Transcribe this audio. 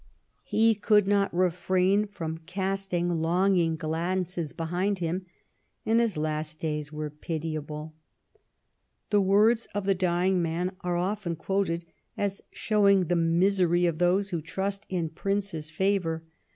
He could not refrain from casting longing glances behind him, and his last days are pitiable. The words of the dying man are often quoted as showing the misery of those who trust in princes' favour.